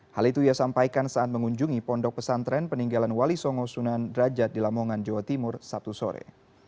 hal itu ia sampaikan saat mengunjungi pondok pesantren peninggalan wali songo sunan derajat di lamongan jawa timur sabtu sore